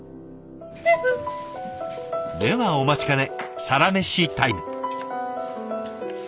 ではお待ちかねサラメシタイム。